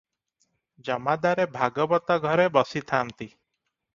ଜମାଦାରେ ଭାଗବତ ଘରେ ବସିଥାନ୍ତି ।